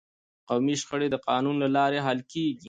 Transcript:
قومي شخړې د قانون له لارې حل کیږي.